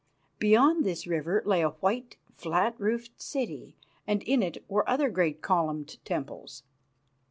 Beyond this river lay a white, flat roofed city, and in it were other great columned temples.